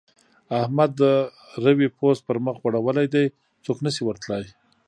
احمد د روې پوست پر مخ غوړولی دی؛ څوک نه شي ور تلای.